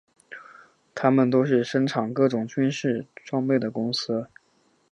它们都是生产各种军事装备的公司。